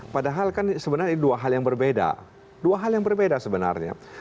padahal kan sebenarnya dua hal yang berbeda dua hal yang berbeda sebenarnya